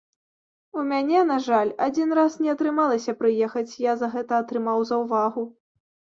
У мяне, на жаль, адзін раз не атрымалася прыехаць, я за гэта атрымаў заўвагу.